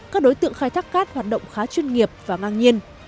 các đối tượng khai thác cát hoạt động khá chuyên nghiệp và ngang nhiên